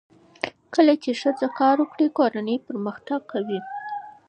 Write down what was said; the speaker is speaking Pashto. کله چې ښځه کار وکړي، کورنۍ پرمختګ کوي.